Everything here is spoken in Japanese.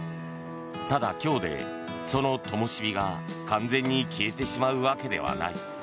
ただ、今日でそのともしびが完全に消えてしまうわけではない。